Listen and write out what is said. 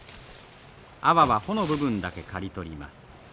アワは穂の部分だけ刈り取ります。